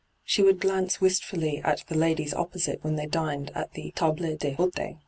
She would glance wistfully at the ladies opposite when they dined at the tahle d^hdte.